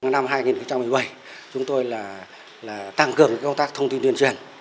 năm hai nghìn một mươi bảy chúng tôi là tăng cường công tác thông tin tuyên truyền